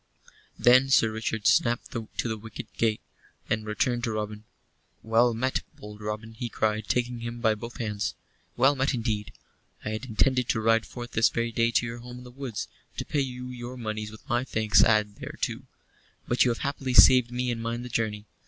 Then Sir Richard snapped to the wicket gate, and returned to Robin. "Well met, bold Robin," he cried, taking him by both hands. "Well met, indeed. I had intended to ride forth this very day to your home in the woods, to pay you your moneys with my thanks added thereto; but you have happily saved me and mine the journey.